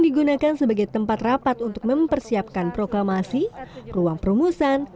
digunakan sebagai tempat rapat untuk mempersiapkan proklamasi ruang perumusan